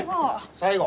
最後？